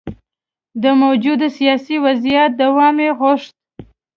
د موجوده سیاسي وضعیت دوام یې غوښت.